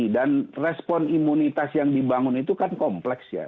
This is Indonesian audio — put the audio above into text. dan respon imunitas yang dibangun itu kan kompleks ya